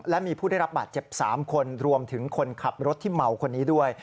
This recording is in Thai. และมีผู้ได้รับบาดเจ็บ๓คนรวมถึงคนขับรถที่เมาคนนี้ด้วย